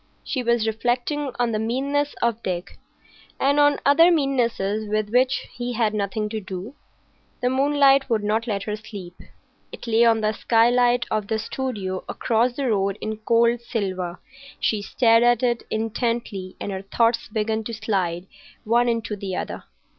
She was reflecting on the meannesses of Dick, and on other meannesses with which he had nothing to do. The moonlight would not let her sleep. It lay on the skylight of the studio across the road in cold silver; she stared at it intently and her thoughts began to slide one into the other.